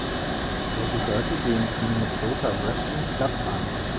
Er gehörte dem "Minnesota Wrestling Club" an.